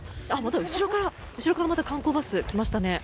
後ろからまた観光バス来ましたね。